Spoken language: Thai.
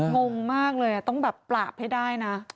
งงมากเลยต้องแบบปราบให้ได้นะ